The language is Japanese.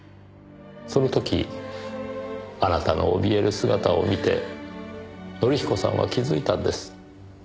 その時あなたのおびえる姿を見て則彦さんは気づいたんです。